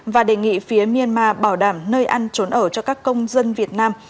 và đề nghị phía myanmar bảo đảm nơi ăn trốn ở cho các công dân việt nam